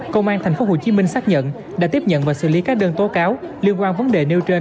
công an tp hcm xác nhận đã tiếp nhận và xử lý các đơn tố cáo liên quan vấn đề nêu trên